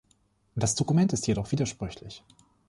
Das Dokument ist jedoch widersprüchlich.